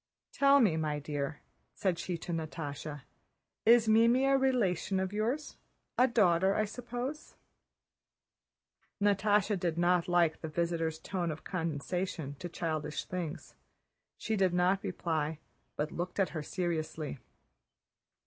"Tell me, my dear," said she to Natásha, "is Mimi a relation of yours? A daughter, I suppose?" Natásha did not like the visitor's tone of condescension to childish things. She did not reply, but looked at her seriously.